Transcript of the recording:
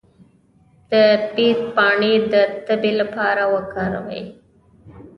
د بید پاڼې د تبې لپاره وکاروئ